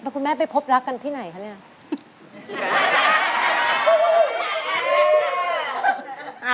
แล้วคุณแม่ไปพบรักกันที่ไหนคะเนี่ย